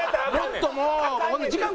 もっともう！